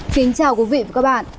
xin chào quý vị và các bạn